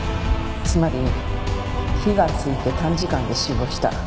つまり火がついて短時間で死亡した。